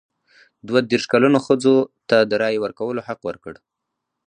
دوه دیرش کلنو ښځو ته د رایې ورکولو حق ورکړ.